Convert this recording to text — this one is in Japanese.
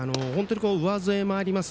上背もあります。